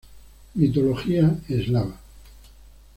Mitología eslava